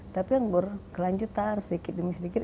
tapi yang berkelanjutan sedikit demi sedikit